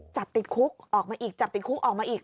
จับติดคุกออกมาอีกจับติดคุกออกมาอีก